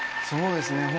そうですね